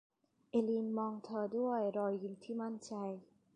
เอลีนมองเธอด้วยรอยยิ้มที่มั่นใจ